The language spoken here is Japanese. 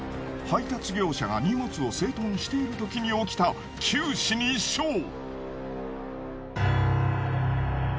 配達業者が荷物を整頓しているときに起きた九死に一生。